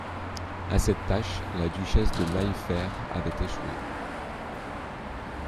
A cette tâche, la duchesse de Maillefert avait échoué.